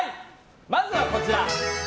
まずはこちら！